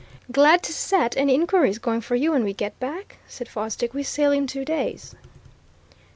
"Glad to set any inquiries going for you when we get back," said Fosdick. "We sail in two days."